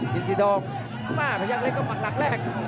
ดินศิธองมาพยาคเลกเว้าหมันลักแรก